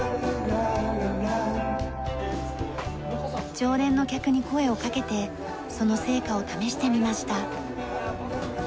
常連の客に声を掛けてその成果を試してみました。